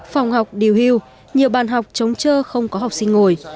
phòng học điều hưu nhiều bàn học chống chơ không có học sinh ngồi